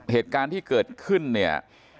เหตุการณ์ที่เกิดขึ้นเนี่ย